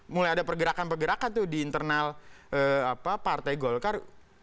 mulai ada pergerakan pergerakan tuh di internal partai golkar